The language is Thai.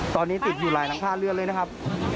ตอนนี้ติดอยู่หลายหลังคาเรือนเลยนะครับ